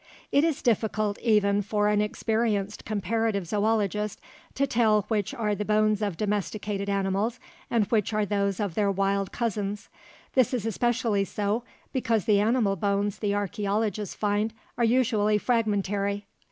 It is difficult even for an experienced comparative zoologist to tell which are the bones of domesticated animals and which are those of their wild cousins. This is especially so because the animal bones the archeologists find are usually fragmentary.